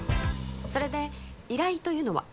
それで依頼というのは？